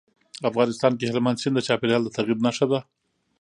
افغانستان کې هلمند سیند د چاپېریال د تغیر نښه ده.